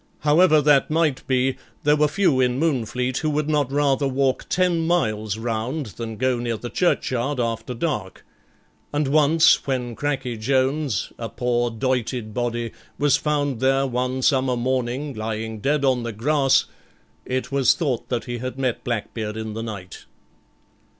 However that might be, there were few in Moonfleet who would not rather walk ten miles round than go near the churchyard after dark; and once when Cracky Jones, a poor doited body, was found there one summer morning, lying dead on the grass, it was thought that he had met Blackbeard in the night.